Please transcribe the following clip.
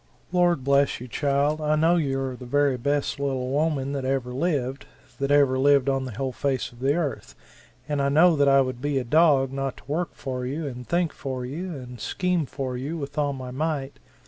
"Lord bless you, child, I know you are the very best little woman that ever lived that ever lived on the whole face of the Earth! And I know that I would be a dog not to work for you and think for you and scheme for you with all my might.